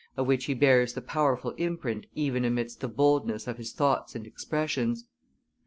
of which he bears the powerful imprint even amidst the boldness of his thoughts and expressions.